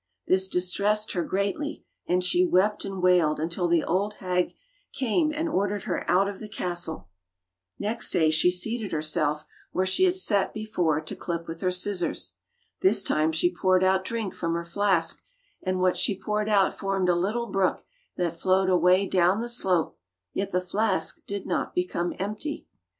This distressed her greatly, and she wept and wailed un til the old hag came and ordered her out of the castle. Next day she seated herself where she 138 Fairy Tale Bears had sat before to clip with her scissors. This time she poured out drink from her flask, and what she poured out formed a little brook that flowed away down the slope, yet the flask did not become empty.